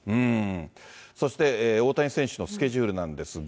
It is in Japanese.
そして、大谷選手のスケジュールなんですが。